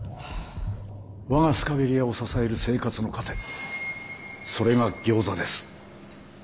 我がスカベリアを支える生活の糧それがギョーザです。